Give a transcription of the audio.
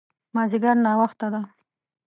مازديګر ناوخته ده